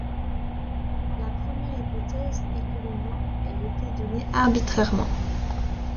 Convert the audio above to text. La première hypothèse est que le nom ait été donné arbitrairement.